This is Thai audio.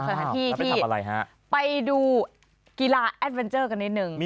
สถานที่ที่ไปดูกีฬาแอดเวนเจอร์กันนิดนึง